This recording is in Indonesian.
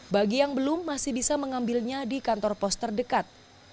bagi yang belum masih bisa mengambilnya di kantor pos terdekat